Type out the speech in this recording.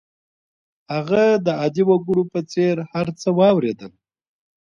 هغه د عادي وګړو په څېر هر څه واورېدل